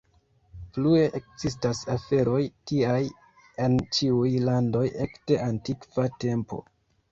Plue ekzistas aferoj tiaj en ĉiuj landoj ekde antikva tempo.